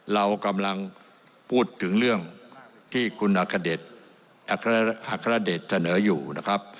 เรากำลังพูดถึงเรื่องที่คุณอัครเดชเสนออยู่นะครับ